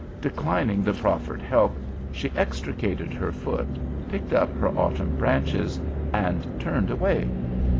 Declining the proffered help, she extricated her foot, picked up her autumn branches, and turned away.